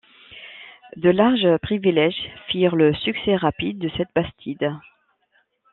De larges privilèges firent le succès rapide de cette bastide.